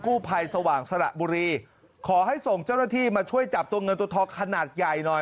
กู้ภัยสว่างสระบุรีขอให้ส่งเจ้าหน้าที่มาช่วยจับตัวเงินตัวทองขนาดใหญ่หน่อย